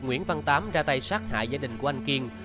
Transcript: nguyễn văn tám ra tay sát hại gia đình của anh kiên